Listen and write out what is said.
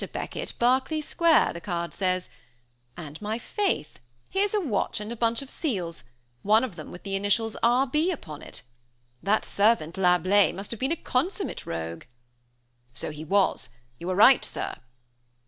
Beckett, Berkeley Square,' the card says; and, my faith! here's a watch and a bunch of seals; one of them with the initials 'R.B.' upon it. That servant, Lablais, must have been a consummate rogue!" "So he was; you are right, Sir."